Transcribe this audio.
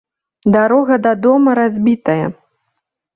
Дарога да дома разбітая.